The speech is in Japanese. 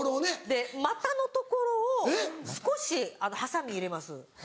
で股の所を少しハサミ入れます。